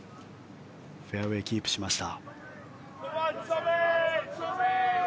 フェアウェーキープしました。